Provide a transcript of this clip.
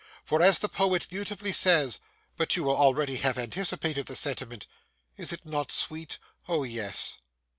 For as the poet beautifully says—but you will already have anticipated the sentiment. Is it not sweet? O yes!